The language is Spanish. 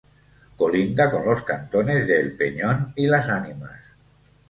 Colinda con los cantones de El Peñón y Las Animas.